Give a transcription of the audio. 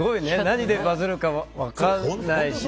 何でバズるか分からないし。